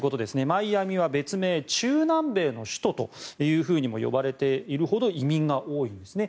マイアミは別名中南米の首都というふうにも呼ばれているほど移民が多いんですね。